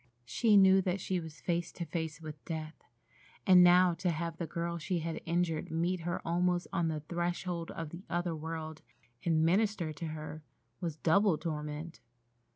She knew that she was face to face with death, and now to have the girl she had injured meet her almost on the threshold of the other world, and minister to her, was double torment.